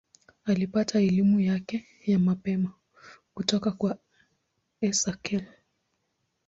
Alipata elimu yake ya mapema kutoka kwa Esakhel.